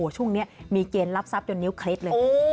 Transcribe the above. ช่วงนี้มีเกณฑ์รับทรัพย์จนนิ้วเคล็ดเลย